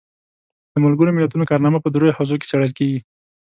د ملګرو ملتونو کارنامه په دریو حوزو کې څیړل کیږي.